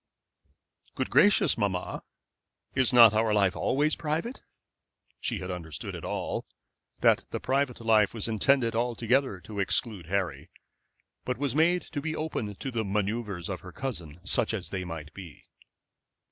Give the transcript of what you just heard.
"Good gracious, mamma, is not our life always private?" She had understood it all, that the private life was intended altogether to exclude Harry, but was to be made open to the manoeuvres of her cousin, such as they might be.